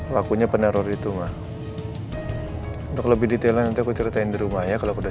lakunya peneror itu mah untuk lebih detail nanti aku ceritain di rumahnya kalau udah